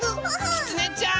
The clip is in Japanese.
きつねちゃん！